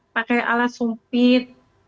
pakai alat sumpit